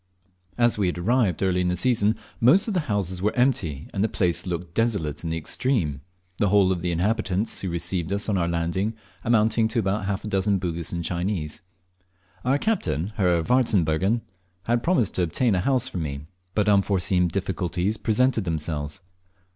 As we had arrived early in the season, most of the houses were empty, and the place looked desolate in the extreme the whole of the inhabitants who received us on our landing amounting to about half a dozen Bugis and Chinese. Our captain, Herr Warzbergen, had promised to obtain a house for me, but unforeseen difficulties presented themselves.